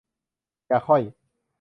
อย่าค่อย